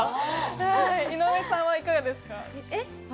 井上さんはいかがですか？